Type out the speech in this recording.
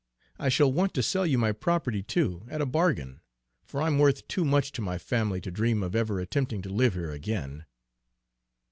I shall want to sell you my property, too, at a bargain. For I'm worth too much to my family to dream of ever attempting to live here again."